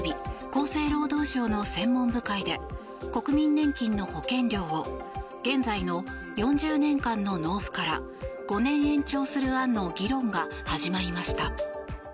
厚生労働省の専門部会で国民年金の保険料を現在の４０年間の納付から５年延長する案の議論が始まりました。